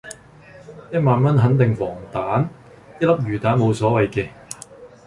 一萬蚊肯定防彈，一粒魚丸無所謂嘅